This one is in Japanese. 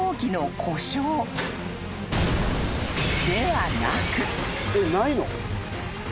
［ではなく］